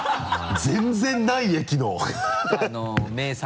全然ない駅の